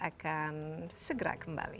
akan segera kembali